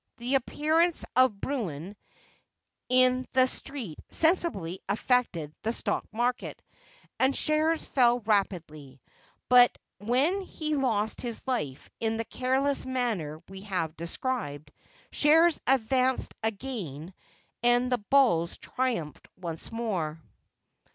The appearance of Bruin in the street sensibly affected the stock market, and shares fell rapidly; but when he lost his life in the careless manner we have described, shares advanced again, and the Bulls triumphed once more.